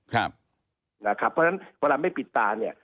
ครับนะครับเพราะฉะนั้นเวลาไม่ปิดตาเนี่ย